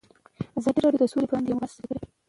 ازادي راډیو د سوله پر وړاندې یوه مباحثه چمتو کړې.